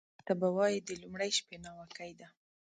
ته به وایې د لومړۍ شپې ناوکۍ ده